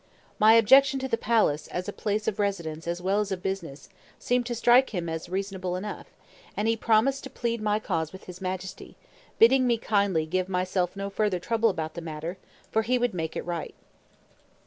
My objection to the palace, as a place of residence as well as of business, seemed to strike him as reasonable enough; and he promised to plead my cause with his Majesty, bidding me kindly "give myself no further trouble about the matter, for he would make it right."